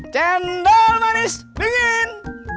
cendol manis dingin